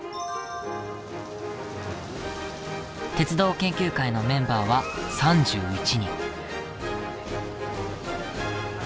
鉄道研究会のメンバーは３１人。